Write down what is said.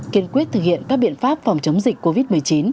kiên quyết thực hiện các biện pháp phòng chống dịch covid một mươi chín